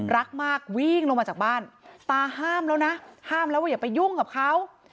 รักมากวิ่งลงมาจากบ้านตาห้ามแล้วนะห้ามแล้วว่าอย่าไปยุ่งกับเขา